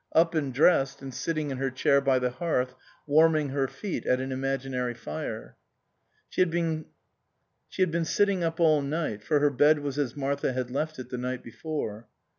Up and dressed, and sitting in her chair by the hearth, warming her feet at an imaginary fire. She had been sitting up all night, for her bed was as Martha had left it the night before.